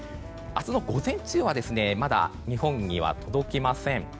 明日の午前中はまだ、日本に届きません。